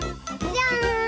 じゃん！